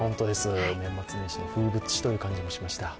年末年始の風物詩という感じもしました。